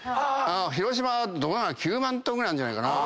広島は９万ｔぐらいあるんじゃないかな。